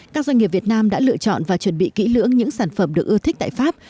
các doanh nghiệp việt nam đã lựa chọn và chuẩn bị kỹ lưỡng những sản phẩm được ưa thích tại pháp